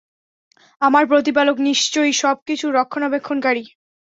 আমার প্রতিপালক নিশ্চয়ই সব কিছুর রক্ষণাবেক্ষণকারী।